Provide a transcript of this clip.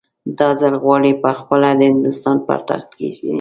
دا ځل غواړي پخپله د هندوستان پر تخت کښېني.